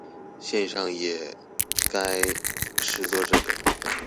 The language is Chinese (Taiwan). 線上也該實作這個